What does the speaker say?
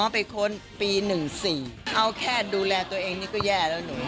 ไปค้นปี๑๔เอาแค่ดูแลตัวเองนี่ก็แย่แล้วหนู